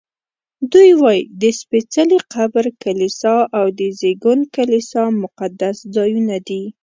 دوی وایي د سپېڅلي قبر کلیسا او د زېږون کلیسا مقدس ځایونه دي.